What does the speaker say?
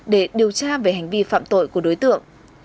để điều tra về hành vi phạm tội của đối tượng